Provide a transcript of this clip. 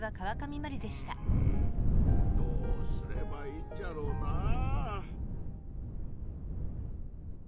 うんどうすればいいんじゃろうなぁ。